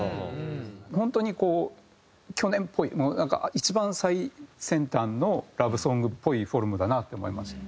本当にこう去年っぽいもうなんか一番最先端のラブソングっぽいフォルムだなって思いますよね。